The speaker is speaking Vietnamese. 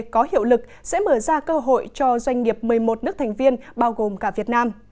có hiệu lực sẽ mở ra cơ hội cho doanh nghiệp một mươi một nước thành viên bao gồm cả việt nam